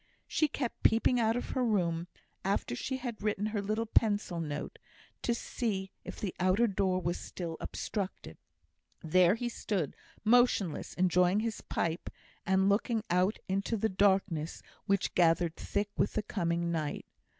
She kept peeping out of her room, after she had written her little pencil note, to see if the outer door was still obstructed. There he stood, motionless, enjoying his pipe, and looking out into the darkness which gathered thick with the coming night.